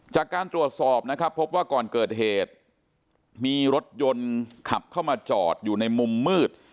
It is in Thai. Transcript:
จากการตรวจสอบนะครับพบว่าก่อนเกิดเหตุมีรถยนต์ขับเข้ามาจอดอยู่ในมุมมืด